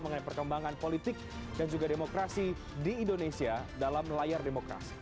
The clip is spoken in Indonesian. mengenai perkembangan politik dan juga demokrasi di indonesia dalam layar demokrasi